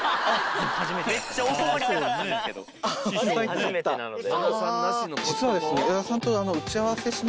初めてなので。